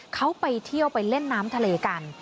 เขาไปเที่ยวไปเล่นน้ำทะเลกัน